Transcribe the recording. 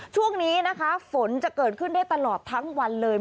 ช่วงนี้นะคะฝนจะเกิดขึ้นได้ตลอดทั้งวันเลย